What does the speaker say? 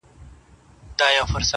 څنگ ته چي زه درغــــلـم.